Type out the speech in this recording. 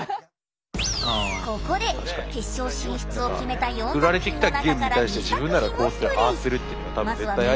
ここで決勝進出を決めた４作品の中から２作品をプレイ。